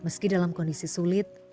meski dalam kondisi sulit